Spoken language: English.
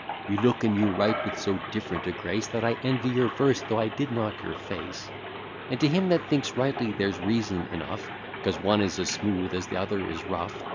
_ You look and you write with so different a grace, That I envy your verse, though I did not your face. And to him that thinks rightly, there's reason enough, 'Cause one is as smooth as the other is rough.